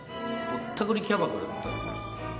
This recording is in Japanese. ぼったくりキャバだったんですね。